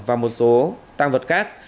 và một số tang vật khác